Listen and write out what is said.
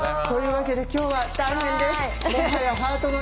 というわけで今日は大変です。